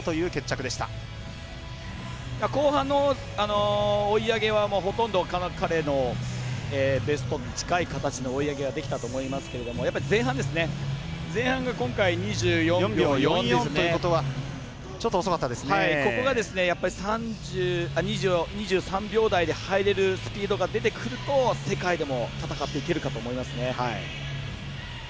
３着、松元後半の追い上げはほとんど彼のベストに近い形の追い上げができたと思いますがやはり前半が今回、２４秒４４でここが２３秒台で入れるスピードが出てくると世界でも戦っていけるかと思いますね。